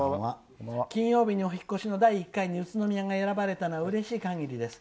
金曜日のお引っ越しの第１回に宇都宮が選ばれたのはうれしい限りです。